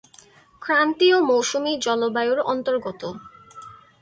ক্রান্তীয় মৌসুমী জলবায়ুর অন্তর্গত।